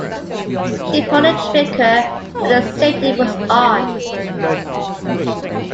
She pulled the trigger, but the safety was on.